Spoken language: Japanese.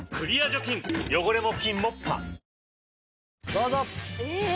どうぞ。